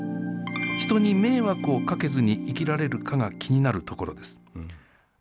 人に迷惑をかけずに生きられるかが気になるところです。